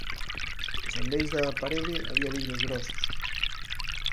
Nos andeis da parede había libros grosos.